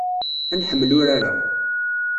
Ad nḥemmel urar-a.